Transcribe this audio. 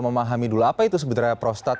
memahami dulu apa itu sebenarnya prostat